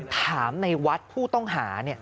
ถามในวัดผู้ต้องหาเนี่ย